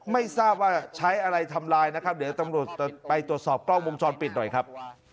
ไม่ทราบว่าใช้อะไรทำลายนะครับเดี๋ยวตำรวจไปตรวจสอบกล้องวงจรปิดหน่อยครับ